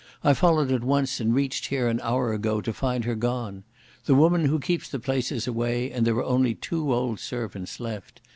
I followed at once, and reached here an hour ago to find her gone.... The woman who keeps the place is away and there are only two old servants left.